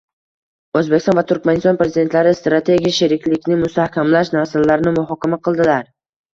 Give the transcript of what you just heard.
O‘zbekiston va Turkmaniston Prezidentlari strategik sheriklikni mustahkamlash masalalarini muhokama qildilar